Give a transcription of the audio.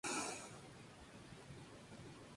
No one heard a single word you said.